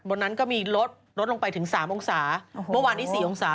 บนนั้นก็มีลดลดลงไปถึง๓องศาเมื่อวานนี้๔องศา